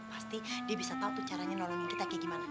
pasti dia bisa tahu tuh caranya nolongin kita kayak gimana